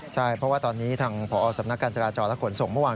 ใช่เพราะว่าตอนนี้ทางพศกัญจราจรก่อนส่งเมื่อวาน